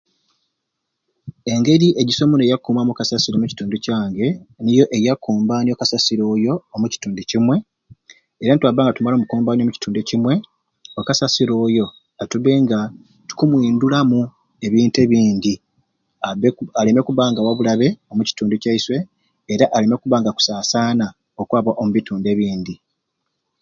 Engire egyisai omuno eyakukumamu okasasiro omu kitundu kyange niyo eya kukumbanya okasasiro oyo omu kitundu kimwei era nitwaba nga tumare omukumbanya omu kitundu kimwei okasasiro oyo tuyina okumwindulamu ebintu ebindi abe ku aleme kuba nga wabulabe omu kitundu kyaiswe era aleme kuba nga akusasana okwaba omu bitundu ebindi